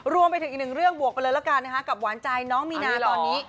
รวมไปถึงอีกหนึ่งเรื่องบวกไปเลยละกันนะคะกับหวานใจน้องมีนาตอนนี้